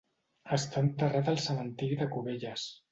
Està enterrat al cementiri de Cubelles.